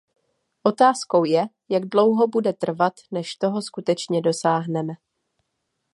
Otázkou je, jak dlouho bude trvat, než toho skutečně dosáhneme.